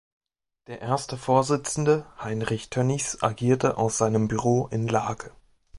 Der erste Vorsitzende Heinrich Tönnies agierte aus seinem Büro in Lage.